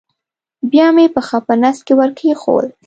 بیا مې پښه په نس کې ور کېښوول.